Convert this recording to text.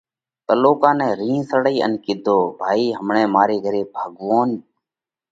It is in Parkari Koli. تلُوڪا نئہ رِينه سڙئِي ان ڪِيڌو: ڀائِي همڻئہ ماري گھري ڀڳوونَ